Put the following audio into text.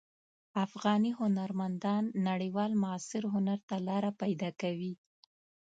افغاني هنرمندان نړیوال معاصر هنر ته لاره پیدا کوي.